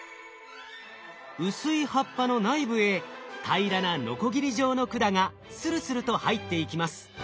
薄い葉っぱの内部へ平らなノコギリ状の管がスルスルと入っていきます。